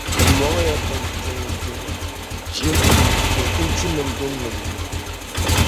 Bɛ mɔŋ ya binkpiŋ dibu, ʒim, ni kuruchu nimdi ŋubbu.